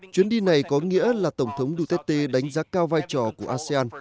chuyến đi này có nghĩa là tổng thống duterte đánh giá cao vai trò của asean